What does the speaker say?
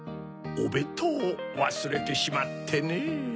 おべんとうをわすれてしまってねぇ。